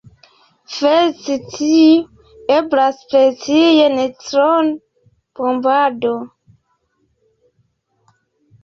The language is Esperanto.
Feliĉe tio eblas per ties neŭtronbombado.